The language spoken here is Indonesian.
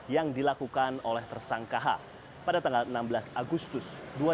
yang dilakukan oleh tersangkaha pada tanggal enam belas agustus dua ribu dua puluh dua